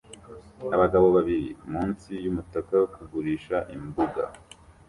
Abagabo babiri munsi yumutaka kugurisha imbuga